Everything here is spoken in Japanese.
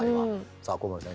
さあ小森さん